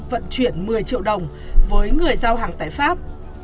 vận chuyển một mươi triệu đồng với người giao hàng tại pháp